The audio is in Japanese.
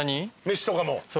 飯とかも？